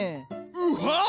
うはっ！